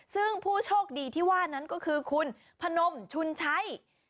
ซึ่งผู้โชคดีที่ว่านั้นก็คือคุณพนมชุนชัย